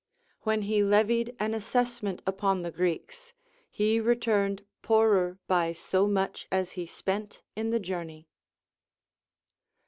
Λνΐιεη he levied an assessment upon the Greeks, he re turned poorer by so much as he spent in the journey.